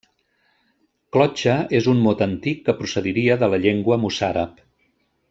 Clotxa és un mot antic que procediria de la llengua mossàrab.